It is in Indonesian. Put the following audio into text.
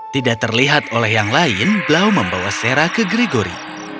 tidak terlihat oleh yang lain blau membawa sera ke gregory